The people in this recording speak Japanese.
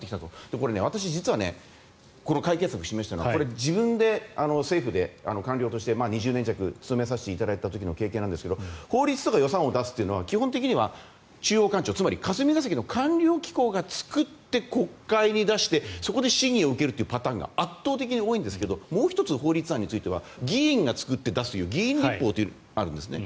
これ、私実はこの解決策を示したのはこれ、自分で政府で官僚として２０年弱務めさせていただいた経験ですが法律とか予算を出すのは基本的には中央官庁つまり霞が関の官僚機構が作って国会に出してそこで審議を受けるというパターンが圧倒的に多いんですがもう１つ、法律案については議員が作って出すという議員立法というのがあるんですね。